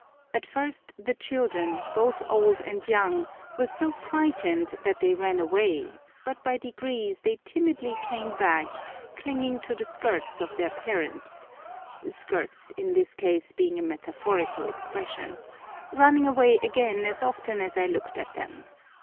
At first the children, both old and young, were so frightened that they ran away, but by degrees they timidly came back, clinging to the skirts of their parents (skirts, in this case, being a metaphorical expression), running away again as often as I looked at them.